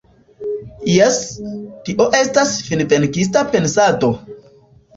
Jes, tio estas finvenkista pensado.